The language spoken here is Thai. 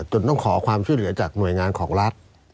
จนต้องขอความช่วยเหลือจากหน่วยงานของรัฐ